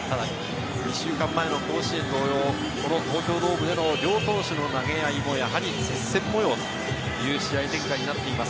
１週間前の甲子園同様、東京ドームでの両投手の投げ合いも接戦模様という試合展開です。